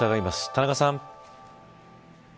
田中さん。